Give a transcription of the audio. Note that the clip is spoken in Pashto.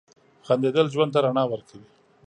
• خندېدل ژوند ته رڼا ورکوي.